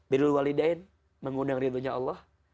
berilu walidain mengundang rindunya allah